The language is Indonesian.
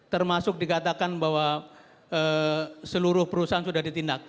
termasuk dikatakan bahwa seluruh perusahaan sudah ditindak